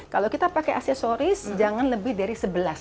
kalau kita pakai aksesoris jangan lebih dari sebelas